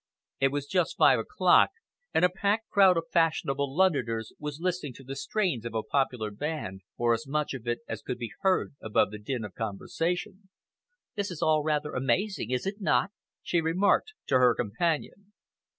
It was just five o'clock, and a packed crowd of fashionable Londoners was listening to the strains of a popular band, or as much of it as could be heard above the din of conversation. "This is all rather amazing, is it not?" she remarked to her companion.